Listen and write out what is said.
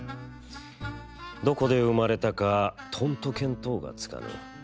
どこで生まれたかとんと見当がつかぬ。